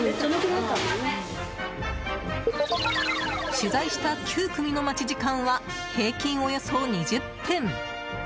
取材した９組の待ち時間は平均およそ２０分。